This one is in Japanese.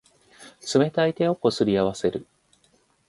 冷たい手をこすり合わせる。